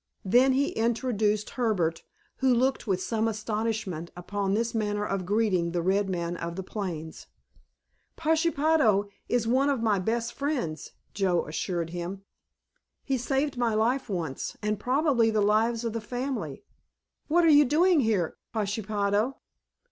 Then he introduced Herbert, who looked with some astonishment upon this manner of greeting the red man of the plains. "Pashepaho is one of my best friends," Joe assured him; "he saved my life once, and probably the lives of the family. What are you doing here, Pashepaho?"